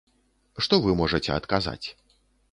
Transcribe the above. Што вы можаце адказаць?